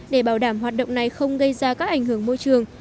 để bảo đảm hoạt động này không gây ra các ảnh hưởng môi trường